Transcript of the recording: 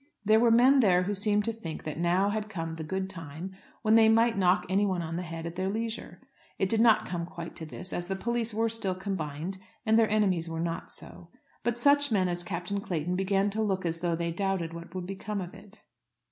There were men there who seemed to think that now had come the good time when they might knock anyone on the head at their leisure. It did not come quite to this, as the police were still combined, and their enemies were not so. But such men as Captain Clayton began to look as though they doubted what would become of it.